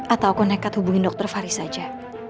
atau aku nekat hubungi dokter faris aja